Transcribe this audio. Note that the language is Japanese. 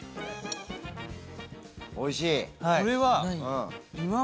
おいしい？